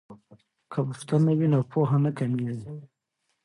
که پوښتنه وي نو پوهه نه کمیږي.